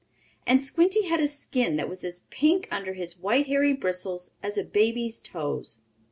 And Squinty had a skin that was as pink, under his white, hairy bristles, as a baby's toes.